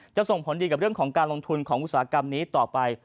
ส่งผลดีกับเรื่องของการลงทุนของอุตสาหกรรมนี้ต่อไป